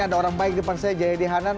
ada orang baik depan saya jaya dina hanan